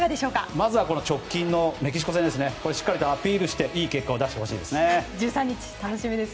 まず直近のメキシコ戦でアピールしていい結果を出してほしいです。